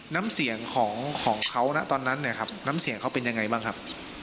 น้ำเสียงของเขานะตอนนั้นเนี่ยครับน้ำเสียงเขาเป็นยังไงบ้างครับ